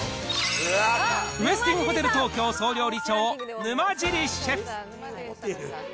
ウェスティンホテル東京総料理長、沼尻シェフ。